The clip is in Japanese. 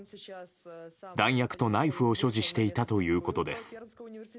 弾薬とナイフを所持していたということです。